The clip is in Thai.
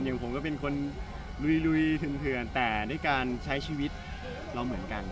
อย่างผมก็เป็นคนลุยเถื่อนแต่ด้วยการใช้ชีวิตเราเหมือนกัน